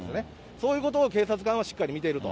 そういうことを警察官はしっかり見ていると。